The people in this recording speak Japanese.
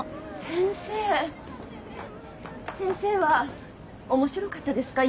先生は面白かったですか？